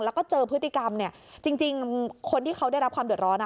แล้วก็เจอพฤติกรรมเนี่ยจริงคนที่เขาได้รับความเดือดร้อน